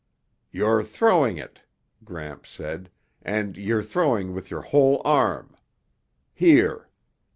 "You're throwing it," Gramps said, "and you're throwing with your whole arm. Here."